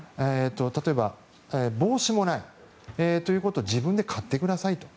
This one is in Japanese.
例えば、帽子もないということで自分で買ってくださいと。